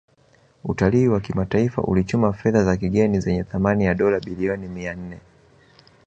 Utalii wa kimataifa ulichuma fedha za kigeni zenye thamani ya Dola bilioni mia nne